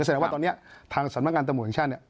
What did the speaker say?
แสดงว่าตอนนี้ทางสำนักงานตำรวจแห่งชาติเนี่ย